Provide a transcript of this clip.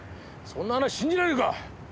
そんな話信じられるか！